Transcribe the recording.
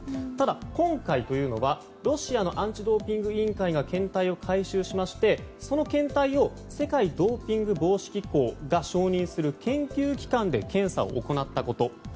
ただ、今回というのはロシアのアンチドーピング委員会が検体を回収しましてその見解を世界ドーピング防止機構が承認する研究機関で検査を行ったこと。